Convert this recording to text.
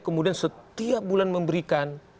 kemudian setiap bulan memberikan